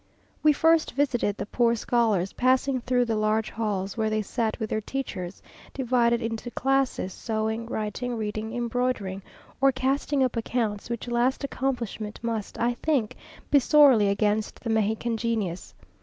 We first visited the poor scholars, passing through the large halls where they sat with their teachers, divided into classes, sewing, writing, reading, embroidering, or casting up accounts, which last accomplishment must, I think, be sorely against the Mexican genius.